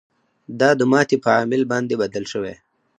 دا د ماتې په عامل بدل شوی دی.